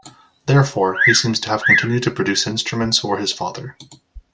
Therefore, he seems to have continued to produce instruments for his father.